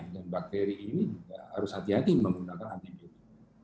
dan bakteri ini harus hati hati menggunakan antibiotik